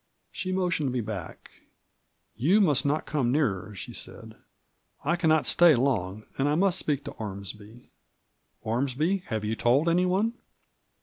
She motioned me back :" You must not come near er," she said. " I can not stay long, and I must speak to Ormsby. Ormsby, have you told any one